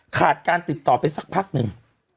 ขาดการติดต่อไปสักพักหนึ่ง